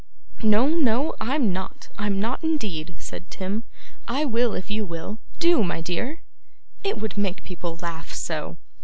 'No, no, I'm not. I'm not indeed,' said Tim. 'I will, if you will. Do, my dear!' 'It would make people laugh so.